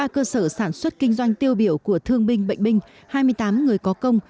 ba cơ sở sản xuất kinh doanh tiêu biểu của thương binh bệnh binh hai mươi tám người có công